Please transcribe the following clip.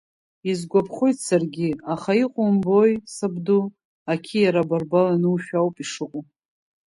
Исгәаԥхоит саргьы, аха иҟоу умбои, сабду, ақьиара абарбал ианушәа ауп ишыҟоу.